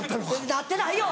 なってないよ！